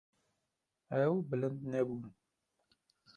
Ew bilind nebûn.